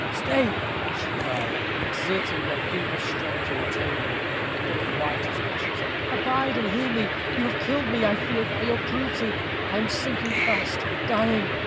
"Stay," she cried, exerting her feeble strength to retain him, and becoming white as ashes, "abide and hear me. You have killed me, I feel, by your cruelty. I am sinking fast dying.